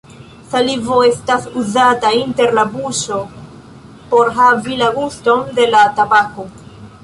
Salivo estas uzata inter la buŝo por havi la guston de la tabako.